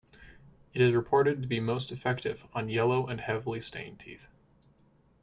It is reported to be most effective on yellow and heavily stained teeth.